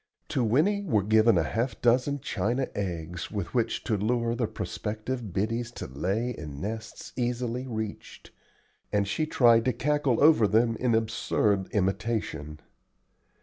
To Winnie were given half a dozen china eggs with which to lure the prospective biddies to lay in nests easily reached, and she tried to cackle over them in absurd imitation.